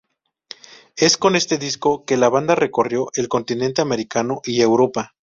Es con este disco que la banda recorrió el continente americano y Europa.